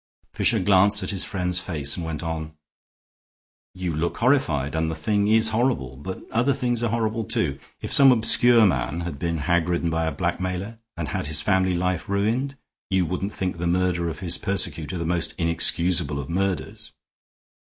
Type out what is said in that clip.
Fisher glanced at his friend's face and went on. "You look horrified, and the thing is horrible. But other things are horrible, too. If some obscure man had been hag ridden by a blackmailer and had his family life ruined, you wouldn't think the murder of his persecutor the most inexcusable of murders.